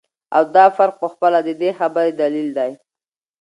او دافرق په خپله ددي خبري دليل دى